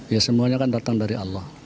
ya semuanya kan datang dari allah